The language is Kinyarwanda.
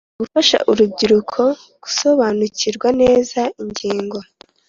Gufasha urubyiruko gusobanukirwa neza ingingo